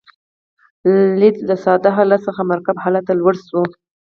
لید له ساده حالت څخه مرکب حالت ته لوړ شوی.